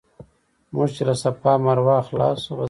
موږ چې له صفا او مروه خلاص شو.